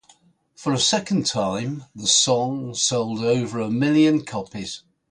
For a second time, the song sold over a million copies.